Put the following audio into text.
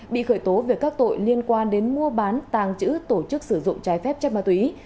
bị khởi tố về các tội liên quan đến mua bán tàng trữ tổ chức sử dụng trái phép chất ma túy